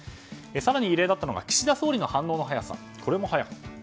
更に異例だったのが岸田総理の反応の速さ。